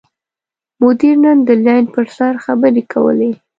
مدیر نن د لین پر سر خبرې کولې.